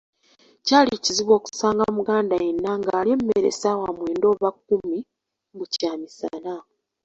Kyali kizibu okusanga Muganda yenna ng'alya emmere essaawa mwenda oba kkumi mbu kyamisana !